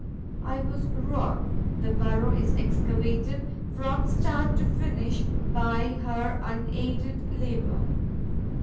I was wrong: the burrow is excavated, from start to finish, by her unaided labour.